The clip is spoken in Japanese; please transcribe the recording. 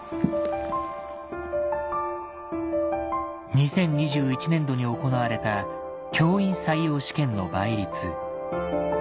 ２０２１年度に行われた教員採用試験の倍率